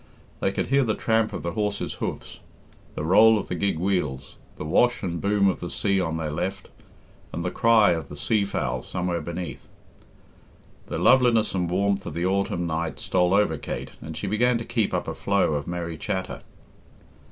They could hear the tramp of the horses' hoofs, the roll of the gig wheels, the wash and boom of the sea on their left, and the cry Of the sea fowl somewhere beneath. The lovelinese and warmth of the autumn night stole over Kate, and she began to keep up a flow of merry chatter.